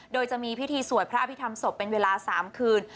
โดยจะมีพิธีสวดพระอภิษฐรรมศพเป็นเวลา๓คืน